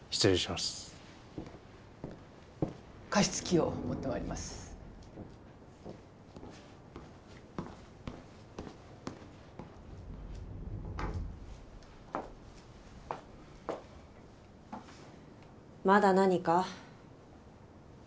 まだ何か？